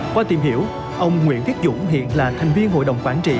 qua tìm hiểu ông nguyễn viết dũng hiện là thành viên hội đồng quản trị